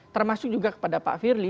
termasuk juga kepada pak firly